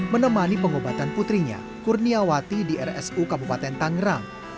menemani pengobatan putrinya kurniawati di rsu kabupaten tangerang